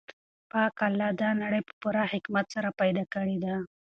پاک الله دا نړۍ په پوره حکمت سره پیدا کړې ده.